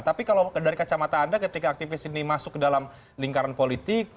tapi kalau dari kacamata anda ketika aktivis ini masuk ke dalam lingkaran politik